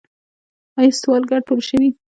آیا سوالګر ټول شوي؟